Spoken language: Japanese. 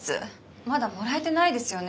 まだもらえてないですよね